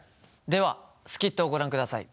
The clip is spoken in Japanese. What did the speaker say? ではスキットをご覧ください。